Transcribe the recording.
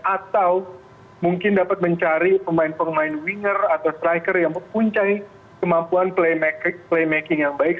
atau mungkin dapat mencari pemain pemain winger atau striker yang mempunyai kemampuan playmaking yang baik